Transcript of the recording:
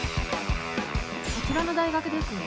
こちらの大学ですね。